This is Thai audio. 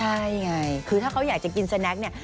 ใช่ไงคือถ้าเขาอยากจะกินสแน็กเนี่ย